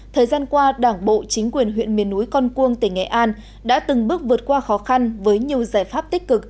thời gian qua đảng bộ chính quyền huyện miền núi con cuông tỉnh nghệ an đã từng bước vượt qua khó khăn với nhiều giải pháp tích cực